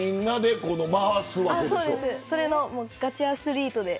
それのガチアスリートで。